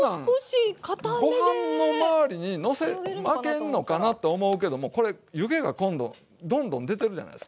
こんなんご飯の周りにまけんのかなと思うけどもこれ湯気が今度どんどん出てるじゃないですか。